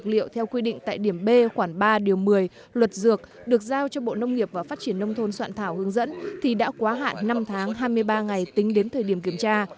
liệu theo quy định tại điểm b khoảng ba điều một mươi luật dược được giao cho bộ nông nghiệp và phát triển nông thôn soạn thảo hướng dẫn thì đã quá hạn năm tháng hai mươi ba ngày tính đến thời điểm kiểm tra